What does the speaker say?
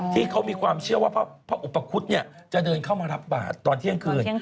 ที่เขามีความเชื่อว่าพระอุปคุฎจะเดินเข้ามารับบาทตอนเที่ยงคืน